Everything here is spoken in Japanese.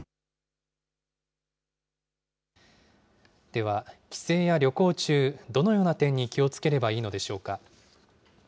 では、帰省や旅行中、どのような点に気をつければいいのでしょうか。